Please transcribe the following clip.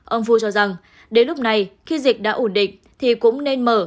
ông vui cho rằng đến lúc này khi dịch đã ổn định thì cũng nên mở